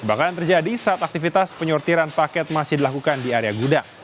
kebakaran terjadi saat aktivitas penyortiran paket masih dilakukan di area gudang